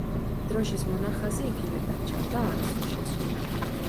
დროშის მონახაზი იგივე დარჩა და არასდროს შეცვლილა.